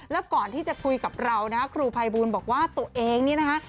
แล้วก่อนที่จะคุยกับเรานะครูภัยบูลบอกว่าตัวเองนี่นะคะ